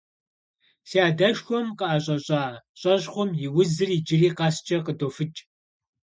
Си адэшхуэм къыӀэщӀэщӀа щӀэщхъум и узыр иджыри къэскӀэ къыдофыкӀ.